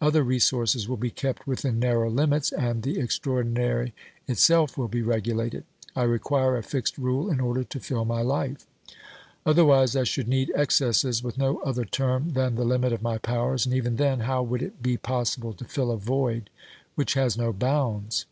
Other resources will be kept within narrow limits, and the extraordinary itself will be regulated. I require a fixed rule in order to fill my life ; otherwise I should need excesses with no other term than the limit of my powers, and, even then, how would it be possible to fill a void which has no bounds